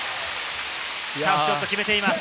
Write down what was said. ハーフショット、決めています。